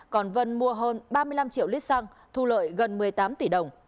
còn vân mua hơn ba mươi năm triệu lít xăng thu lợi gần một mươi tám tỷ đồng